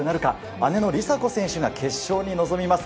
姉の梨紗子選手が決勝に臨みます。